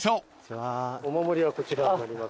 お守りはこちらになります。